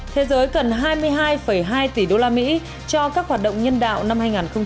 thế giới cần hai mươi hai hai tỷ đô la mỹ cho các hoạt động nhân đạo năm hai nghìn một mươi bảy